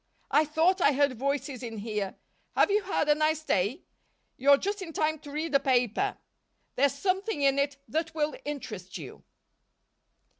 "I thought I heard voices in here. Have you had a nice day? You're just in time to read the paper; there's something in it that will interest you."